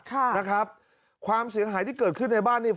ค่ะนะครับความเสียหายที่เกิดขึ้นในบ้านนี่